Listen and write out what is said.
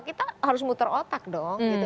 kita harus muter otak dong gitu